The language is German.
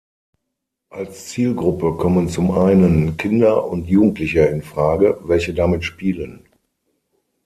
Als Zielgruppe kommen zum einen Kinder und Jugendliche in Frage, welche damit spielen.